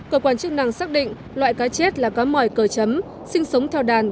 cơ quan chức năng xác định loại cá chết là cá mỏi cờ chấm sinh sống theo đàn